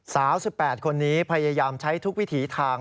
สาว๑๘คนนี้พยายามใช้ทุกวิถีทาง